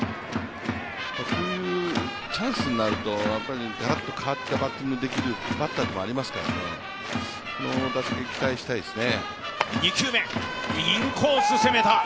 チャンスになるとガラッと変わったバッティングできるバッターだと思いますからこの打席に期待したいですね。